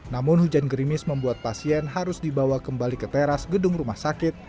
namun hujan gerimis membuat pasien harus dibawa kembali ke teras gedung rumah sakit